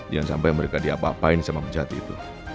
jangan sampai mereka diapa apain sama penjahat itu